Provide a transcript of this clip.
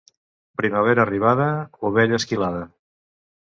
Primavera arribada, ovella esquilada.